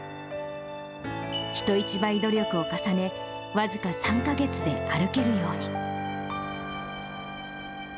人一倍努力を重ね、僅か３か月で歩けるように。